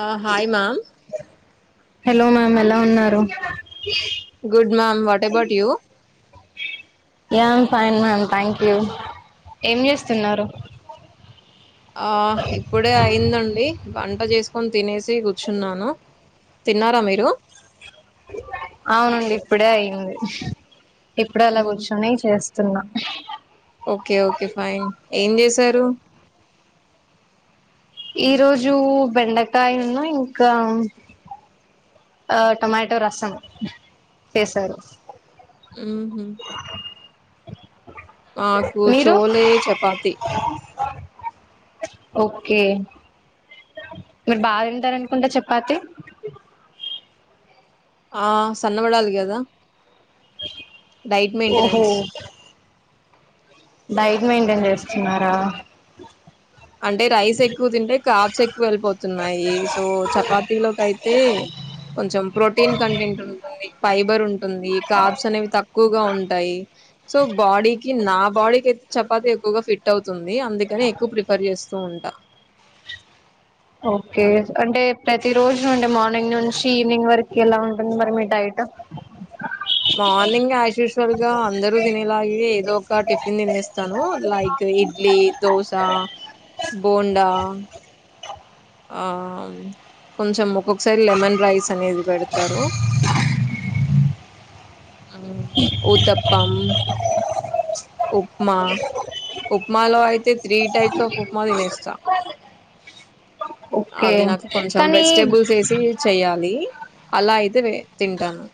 ఆ hi ma'am hello ma'am ఎలా ఉన్నారు good ma'am what about you య్య I fine ma'am thank you ఏం చేస్తున్నారు ఆ ఇప్పుడే అయ్యిందండి వంట చేసుకొని తినేసి కూర్చున్నాను తిన్నారా మీరు అవునండి ఇప్పుడే అయింది ఇప్పుడే అలా మ్మ్. కూర్చొని చేస్తున్నా ఓకే ఓకే ఫైన్ ఏం చేశారు ఈ రోజు బెండకాయ ఉన్నా ఇంకా ఆ టొమాటో రసం చేసారు మ్మ్హ్మ్. నాకు మీరు చోలే చపాతి ఓకే మీరు బాగా తింటారు అనుకుంటా చపాతి ఆ సన్నబడాలి కదా డైట్ ఓహో మెయింటెనెన్స్ డైట్ మెయింటైన్ చేస్తున్నారా అంటే రైస్ ఎక్కువ తింటే కాప్స్ ఎక్కువ వెళ్ళిపోతున్నాయి సో చపాతీలోకి అయితే కొంచెం ప్రోటీన్ కంటెంట్ ఉంటుంది ఫైబర్ ఉంటుంది కాబ్స్ అనేవి తక్కువగా ఉంటాయి సో బాడీకి నా బాడీకి అయితే చపాతి ఎక్కువగా ఫిట్ అవుతుంది అందుకని ఎక్కువ ప్రిఫ చేస్తూ ఉంటా ఓకే అంటే ప్రతి రోజు నుండి మార్నింగ్ నుంచి ఈవినింగ్ వరకు ఎలా ఉంటుంది మరి మీ డైట్ [unintelligible] మార్నింగ్ యాజ్ యూజువల్ గా అందరూ తినేలాగే ఏదో ఒక టిఫిన్ తినేస్తాను లైక్ ఇడ్లీ దోశ బోండా ఆ కొంచెం ఒక్క ఒకసారి లెమన్ రైస్ అనేది పెడతారు హు ఊతప్పం ఉప్మా ఉప్మాలో అయితే త్రీ టైప్స్ ఆఫ్ ఉప్మా తినేస్తాం ఓకే అది నాకు కొంచెం కానీ వెజిటేబుల్స్ వేసి చెయ్యాలి అలా అయితే వే తింటాను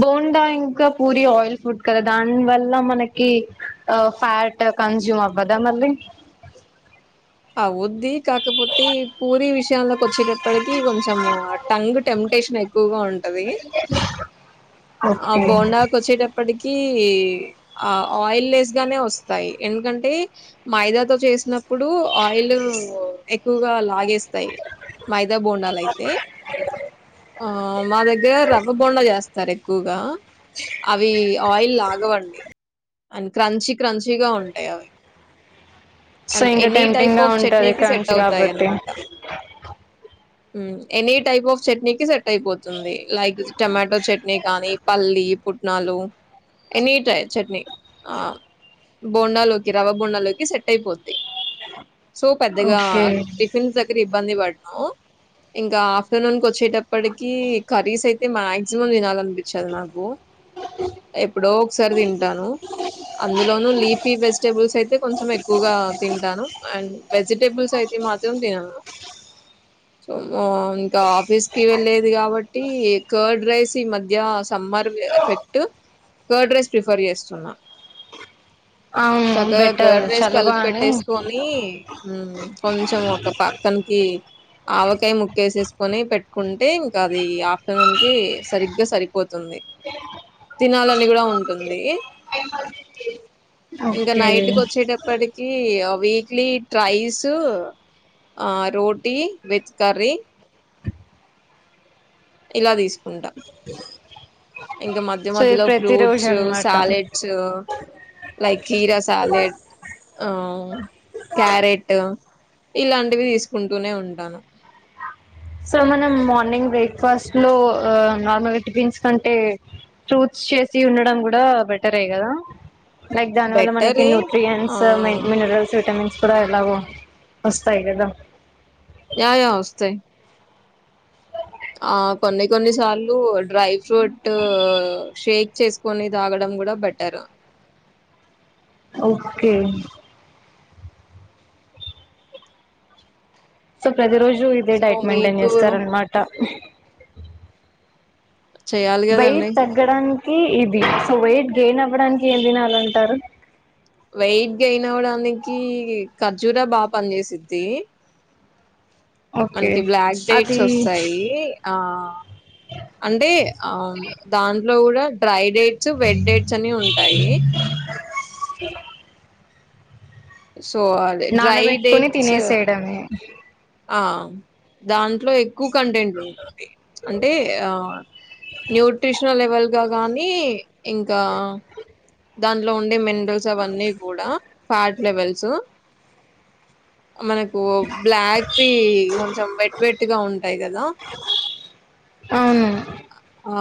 బోడా ఇంకా పూరి ఆయిల్ ఫుడ్ కదా దాని వల్ల మనకి ఆ ఫ్యాట్ కంజుం అవ్వదా మళ్ళీ అవుద్ది కాకపోతే పూరి విషయంలో వచ్చేటప్పటికి కొంచెం టంగ్ టెంటేషన్ ఎక్కువగా ఉం అది ఆ ఓకే బోండాకు వచ్చేటప్పటికి ఈ ఆయిల్నెస్ గానే వస్తాయి ఎందుకంటే మైదాతో చేసినప్పుడు ఆయిల్ ఎక్కువగా లాగేస్తాయి మై ద బోండాలు అయితే ఆ మా దగ్గర రవ్వ బొండా చేస్తారు ఎక్కువగా అవి ఆయిల్ లాగవండి అండ్ క్రంచి క్రంచిగా ఉంటాయి అవి సో అండ్ ఇంకా ఎనీ టెప్టింగ్ టైప్ గా ఆఫ్ ఉంటది చట్నీకి సెట్ క్రంచ్ కాబట్టి అవుతాయన్నమాట. ఎనీ టైప్ ఆఫ్ చట్నీకిి సెట్ అయిపోతుంది లైక్ టమాటో చట్నీ గానీ పల్లీ పుట్నాలు ఎనీ టై చట్నీ బోండాలోకి రవా బోండాలోకి సెట్ అయిపొద్ది సో పెద్దగా ఓకే టిఫిన్స్ దగ్గర ఇబ్బంది వాడ్ను ఇంకా ఆఫ్టర్నూన్ కి వచ్చేటప్పటికి కర్రీస్ అయితే మాక్సిమం తినాలన్ పించదు నాకు ఎప్పుడో ఒకసారి తింటాను అందులోను లీఫీ వెజిటెబుల్స్ అయితే కొంచెం ఎక్కువగా తింటాను అండ్ వెజిటేబుల్స్ అయితే మాత్రం తిన సో మో ఇంకా ఆఫీస్ కి వెల్లే ది కాబట్టి కర్డ్ రైస్ ఈ మధ్య summer effect curd rice prefer చేస్తున్నా అవును చక్కగా బెటర్ కర్డ్ రైస్ చలువా అని కలిపేట్టేసుకో కి కొంచెం ఉమ్ ఒక పక్కన్కి ఆవకాయ ముక్కేసేసుకొని పెట్టుకుంటే ఇంకా అది ఆఫ్టర్నూన్ కి సరిగ్గా సరిపోతుం తినాలని కూడా ఉంటుంది ఇంకా ఓకే నైటుక్ వచ్చేటప్పటికి ఇడ్లీ ట్రై స్ ఆ రోటీ వెజ్ కరీ ఇలా తీసుకుంట ఇంకా మధ్య సో ఇది మధ్యలో ప్రతి రోజు ఫ్రూట్స్ అనమాట సాలెడ్స్ లైక్ కిరా సాలెడ్ ఆ క్యారెట్ ఇలాంటివి తీసుకుంటూనే ఉంటాను సో మనం మార్నింగ్ బ్రేక్ఫాస్ట్ లో నార్మల్గా టిఫిన్స్ కంటే ఫ్రూట్స్ చేసి ఉండడం కూడా బెటరే కదా లైక్ దాని వల్ల మనకి బెటరే ఆ న్యూట్రియన్ట్స్ మినరల్స్ విటమిన్స్ ప్ర ఎలాగో వస్తాయి గదా య య వస్తయి ఆ కొన్ని కొన్ని సార్లు డ్రై ఫ్రూట్ షేక్ చేసుకొని తాగడం ఉం కూడా బెటర్ ఓకే సో ప్రతి రోజు ఇదే సో డైట్ మెయింటైన్ మీకు చేస్తారనమాట చేయాలి వెయిట్ కదండి తగ్గడాని ఇది సో వెయిట్ గెయిన్ అవ్వడానికి ఏం తినాలంటారు వెయిట్ గైన్ అవడానికి ఖర్జూరా బాగా పనిచేసిద్ది ఓకే మనకి బ్లాక్ డేట్స్ అది వస్తాయి ఆ అంటే ఆ దాంట్లో కూడా డ్రై డేట్స్ వెడ్ డేట్స్ అని ఉంటాయి మ సో అదే డ్రై నానబెట్టుకుని డేట్స్ తినేసేయడమే ఆ దాంట్లో ఎక్కువ కంటెంట్ ఉంటుం అంటే ఆ న్యూట్రిషనల్ లెవల్ ఇ గాని ఇంకా దాంట్లో ఉండే మినరల్స్ అవన్నీ కూడా ఫ్యాట్ లెవెల్స్ మనకు బ్లాక్ పి కొంచెం వెట్ వెట్గా ఉంటాయి కదా ప ఆ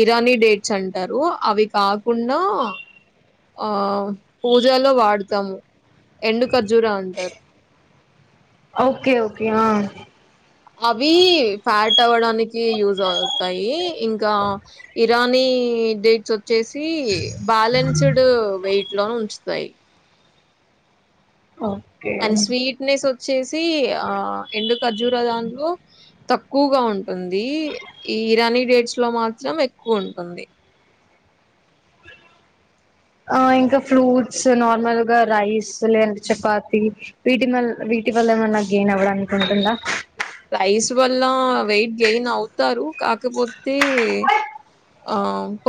ఇరానీ డేట్స్ అంటారు అవి కాకుండా ఆ పూజలో వాడతాము ఎండు ఖర్జూరా అంటారు ఓకే ఓకే అవి ఫ్యాట్ అవ్వడానికి యూజ్ అవుతాయి ఇంకా రానీ డేట్స్ వచ్చేసి బ్యాలెన్స్ వెయిట్ లో ఉంచుతాయి ఓకే అండ్ స్వీట్నెస్ వచ్చేసి ఆ ఎండు ఖర్జూర దాంలో తక్కువగా ఉంటుంది ఈ ఇరానీ డేట్స్ లో మాత్రం ఎక్కువ ఉంటుంది ఆ ఇంకా ఫ్రూట్స్ నార్మల్ గా రైస్ లేంట చపాతి వీటి మల్ వీటి వల్ల ఏమైనా గెన్ అవ్వడానికికుంటుందా రైస్ వల్ల వెయిట్ గెన్ అవుతారు కాకపోతే ఆ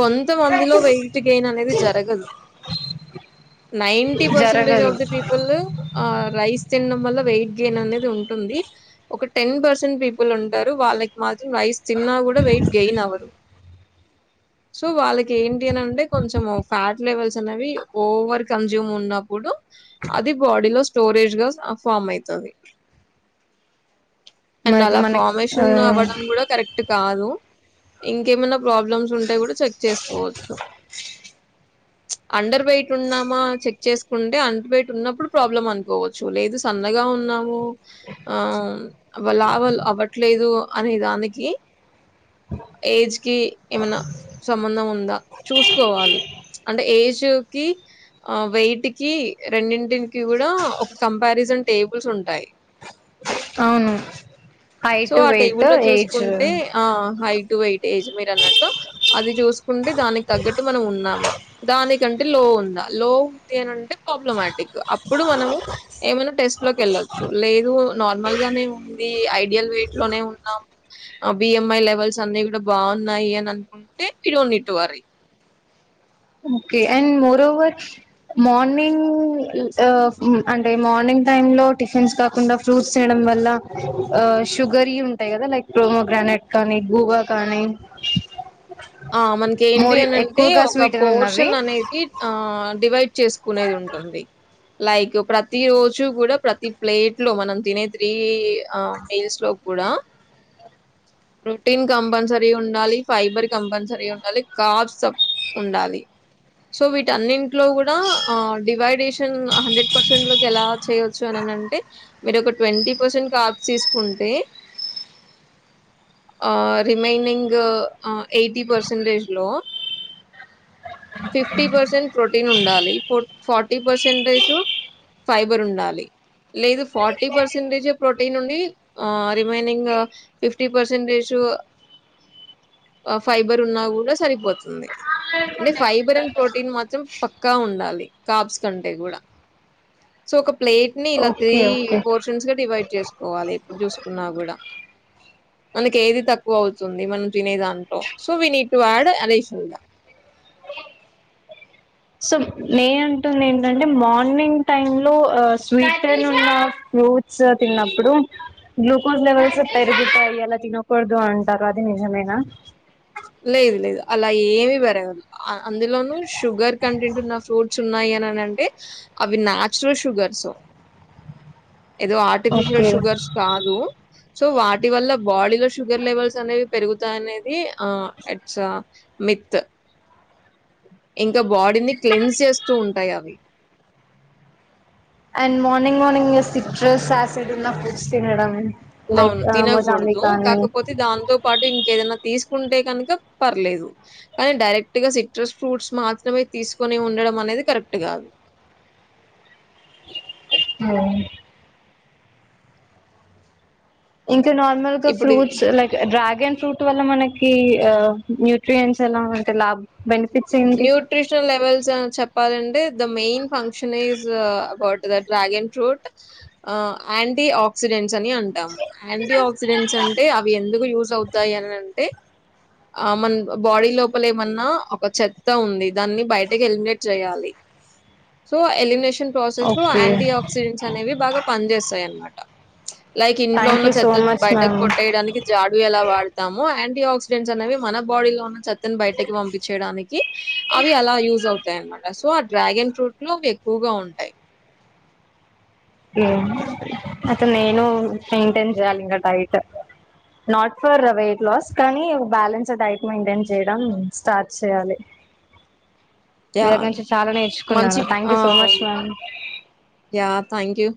కొంత మందిలో వెయిట్ గెయిన్ అనేది జరగదు [inaudible] నైంటి పర్సెంటేజ్ జరగదు ఆఫ్ ది పీపుల్అ రైస్ తిన్నడం వల్ల వెయిట్ గెన్ అనేది ఉంటుంది ఒక టెన్ పర్సెంట్ పీపుల్ ఉంటారు వాళ్ళకి మాత్రం రైస్ తిన్నా గూడా వెయిట్ గెయిన్ అవరు [inaudible] సో వాళ్ళకి ఏంటి అని అంటే కొంచెం ఫ్యాట్ లెవెల్స్ అనేవి ఓవర్ కన్జ్యూమ్ ఉన్నప్పుడు అది బాడీలో స్టోరేజ్ గా ఫామ్ అయితది [inaudible] అండ్ మరికి అలా మనకి ఆ ఫార్మేషన్ అవ్వడం గూడా కరెక్ట్ కాదు ఇంకేమైనా ప్రాబ్లమ్స్ ఉంటే గూడా చెక్ చేసుకోవచ్చు [inaudible] అండర్ వైట్ ఉన్నామా చెక్ చేసుకుంటే అండర్ వై ట్ ఉన్నప్పుడు ప్రాబ్లం అనుకోవచ్చు లేదు సన్నగా ఉన్నాము ఆ వాళ్ళ లావ్ అవ్వట్లేదు అనే దానికి ఏజ్ కి ఏమన్నా సంబంధం ఉందా చూసుకోవాలి అంటే ఏజ్ కి ఆ వెయిట్ కి రెండింటింటికి గూడా ఒక కంపారిజన్ టేబుల్స్ ఉంటాయి అవును సో హైట్ ఆ టేబు వెయిట్ లో ఏజ్ చూసుకుంటే ఆ హైట్ టు ఎయిట్ ఏజ్ మీరు అన్నట్టు అది చూసుకుంటే దానికి తగ్గట్టు మనం ఉన్నామా దానికంటే లో ఉందా లో ఉందింటే ప్రాబ్లమాటిక్ అప్పుడు మనము ఏమైనా టెస్ట్ లోకి ఎళ్ళొచ్చు లే లేదు నార్మల్గానే ఐడియల్ వయిట్ లోనే ఉన్నాము బిఎంఐ లెవెల్స్ అన్ని కూడా బాగున్నాయి అని అనుకుంటు ట్టే హేనోటవరి ఓకే అండ్ మోరోవర్ మార్నింగ్ అంటే మార్నింగ్ టైమ్ లో టిఫిన్స్ కాకుండా ఫ్రూట్స్ చేయడం వల్ల ఆ షుగర్ ఇ ఉంటాయి కదా లైక్ ప్రోమోగ్రానైట్ కానీ గూవా కానీ ఆ మనకి ఏంటి మోరి అనింటే ఎక్కువగా ఒక స్వీట్ ఉన్నవి పోర్షన్ అనేది ఆ డివైడ్ చేసుకునేది ఉంటుంది లైక్ ప్రతి రోజు గూడా ప్రతి ప్లేట్ లో మనం తినే త్రీ మీల్స్ లో గూడా [inaudible] ప్రోటీన్ కంపల్సరీ ఉండాలి ఫైబర్ కంపల్సరీ ఉండాలి కాబ్స్ ప్ ఉండాలి సో వీట అన్నింట్లో గూడా ఆ డివైడేషన్ హండ్రెడ్ పర్సెంట్ లోకి ఎలా చేయొచ్చు అని అంటే మీరు ఒక ట్వంటీ పర్సెంట్ కాబ్స్ తీసుకుంటే [inaudible] ఆ రిమైనింగ్ అ ఎయిటీ పర్సెంటేజ్ లో ఫిఫ్టీ పర్సెంట్ ప్రోటీన్ ఉండాలి ఫో ఫార్టీ పర్సెంట్జు ఫైబర్ ఉండాలి లేదు ఫార్టీ పర్సెంటేజ్ ప్రోటీన్ ఉండి ఆ రిమైనింగ్ ఫిఫ్టీ పర్సెంటేజ్ టు [inaudible] ఆ ఫైబర్ ఉన్నా గూడా సరిపోతుంది అంటే ఫైబర్ అండ్ ప్రోటీన్ మాత్రం పక్కా ఉండాలి కాబ్స్ కంటే గూడా సో ఒక ప్లేట్ ని ఇలా త్రీ ఓకే ఓకే పోర్షన్స్ గా డివైడ్ చేసుకోవాలి ఎప్పుడు చూసుకున్నా కూడా మనకి ఏది తక్కువ అవుతుంది మనం తినేదిాంత so we need to add అదే సుంద సో నే అంటుంది ఏంటంటే మార్నింగ్ టైమ్ లో ఆ స్వీట్న్ ఉన్న ఫ్రూట్స్ తిన్నప్పుడు గ్లూకోజ్ లెవెల్స్ పెరుగుతాయి అలా తినకూడదు అంటారు అది నిజమేనా లేదు లేదు అలా ఏమి పెరగదు అందులోను షుగర్ కంటెంట్ ఉన్న ఫ్రూట్స్ ఉన్నాయి ఉనాయి అంటే అవి నాచురల్ షుగర్స్ ఏదో ఆర్టిఫిషియల్ ఓకే షుగర్స్ కాదు సో వాటి వల్ల బాడీ లో షుగర్ లెవెల్స్ అనేవి పెరుగుతాయి అనేది ఆ ఇట్స్ ఏ మిత్ ఇంకా బాడీని క్క్లీన్స్ చేస్తూ ఉంటాయి అవి and morning morning citrus acid foods తినడం లైక్ అవును మొజాంబి తినకూడదు కానీ కాకపోతే దాంతో పాటు ఇంకా ఏదన్నా తీసుకుంటే కనుక పర్లేదు కానీ డైరెక్ట్ గా సిట్రస్ ఫ్రూట్స్ మాత్రమే తీసుకు అని ఉండడం అనేది కరెక్ట్ కాదు హ్మ్ ఇంకా నార్మల్ గా ఇప్పుడు ఫ్రూట్స్ లైక్ డ్రాగన్ ఫ్రూట్ వల్ల మనకి కి ఆ న్యూట్రియన్స్ ఎలా ఉంటే లాభ బెనిఫ్ న్యూట్రిషనల్ లెవెల్స్ చెప్ప చెప్పాలంటె the main function is about the dragon fruit ఆ అండ్ యాంటీ ఆక్సిడెంట్స్ అని అంటాం యాంటీ ఆక్సిడెంట్స్ అంటే అవి ఎందుకు యూజ్ అవుతాయి అని అంటే ఆ మన బాడీ లోపల ఏమన్నా ఒక చేత్ త్త ఉంది దాన్ని బయటకి ఎలిమినేట్ చేయాలి సో ఎలిమినేషన్ ప్రాసెస్ లో ఓకే యాంటీ ఆక్సిడెంట్స్ అనేవి బాగా పని చేేస్తాయి అనమాట లైక్ ఇంట్లో థ్యాంక్ ఉన్న యూ సో చెత్త మచ్ బయటకు మ్యామ్ కొట్టేయడానికి జాడు ఎలా వాడ తామో యాంటీ ఆక్సిడెంట్స్ అనేవి మన బాడీ లో ఉన్న చెత్తని బయటకి పంపించయడానికి అవి అలా యూజ్ అవుతాయి అన్నమాట సో ఆ డ్రాగన్ ఫ్రూట్లలో అవి ఎక్కువగా ఉంటాయి అ అట్లా నేను మెయింటయిన్ చేయాలి ఇంకా diet not for weight loss కానీ బ్యాలెన్స్ డైట్ మెయింటైన్ చేయడం స్టార్ట్ చేయాలి మీ యాహ్! నుంచి చాలా మంచి నేర్చుకున్నాను thank you so much ma'am thank you